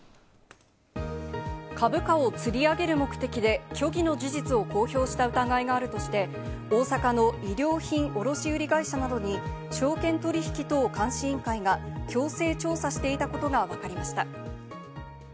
株価をつり上げる目的で虚偽の事実を公表した疑いがあるとして、大阪の衣料品卸売会社などに証券取引等監視委員会が強制調査していたことがわかりました。